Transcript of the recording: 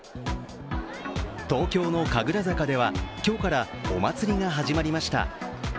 東京の神楽坂では今日からお祭りが始まりました。